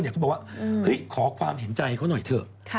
แบบขอความเห็นใจให้เขาหน่อยเถอะ